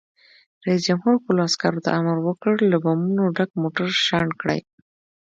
رئیس جمهور خپلو عسکرو ته امر وکړ؛ له بمونو ډک موټر شنډ کړئ!